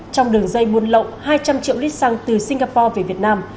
trong đường dây buôn lậu hai trăm linh triệu lít xăng từ singapore về việt nam